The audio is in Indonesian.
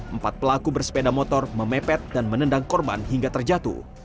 empat pelaku bersepeda motor memepet dan menendang korban hingga terjatuh